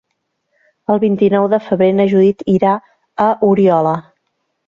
El vint-i-nou de febrer na Judit irà a Oriola.